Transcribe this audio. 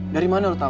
dari mana lo tau